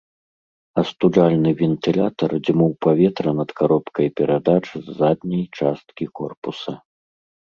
Астуджальны вентылятар дзьмуў паветра над каробкай перадач з задняй часткі корпуса.